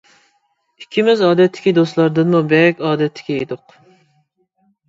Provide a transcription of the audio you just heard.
ئىككىمىز ئادەتتىكى دوستلاردىنمۇ بەك ئادەتتىكى ئىدۇق.